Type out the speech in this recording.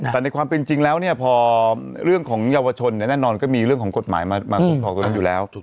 แต่ในความเป็นจริงแล้วเนี่ยพอเรื่องของเยาวชนแน่นอนก็มีเรื่องของกฎหมายมาคุ้มครองตรงนั้นอยู่แล้ว